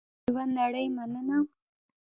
یوه نړۍ مننه